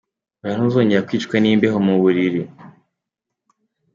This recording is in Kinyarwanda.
Hoya ntuzongera kwicwa n'imbeho mu buriri.